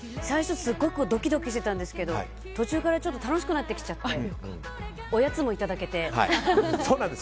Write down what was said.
最初、すごくドキドキしてたんですが途中から楽しくなってきちゃっておやつもいただけて。